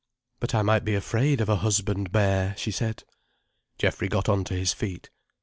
"But I might be afraid of a husband bear," she said. Geoffrey got on to his feet.